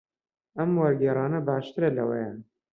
ئەم وەرگێڕانە باشترە لەوەیان.